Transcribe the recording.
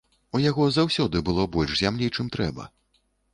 У яго заўсёды было больш зямлі, чым трэба.